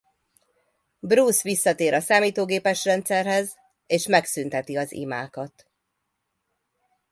Bruce visszatér a számítógépes rendszerhez és megszünteti az imákat.